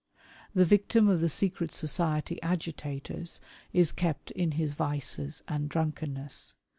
The victim of the secret society agitators is kept in liis vices and drunkeimess.